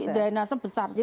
drainase besar sekali